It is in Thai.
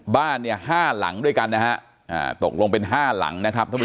บ้านห้าหลังด้วยกันตกลงเป็นห้าหลัง